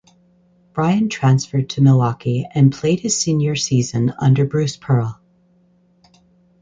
Ryan transferred to Milwaukee and played his senior season under Bruce Pearl.